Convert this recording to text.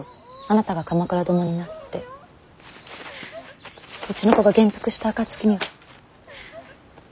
あなたが鎌倉殿になってうちの子が元服した暁には。